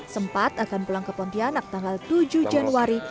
sempat akan pulang ke pontianak tanggal tujuh januari